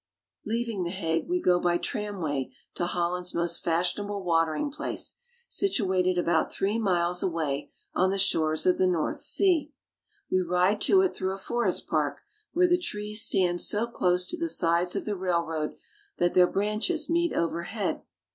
Leaving The Hague, we go by tramway to Holland's most fashionable watering place, situated about three miles away, on the shores of the North Sea. We ride to it through a forest park, where the trees stand so close to the sides of the railroad that their branches meet overhead.